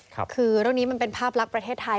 คือเรื่องนี้มันเป็นภาพลักษณ์ประเทศไทย